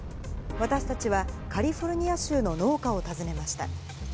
私たちはカリフォルニア州の農家を訪ねました。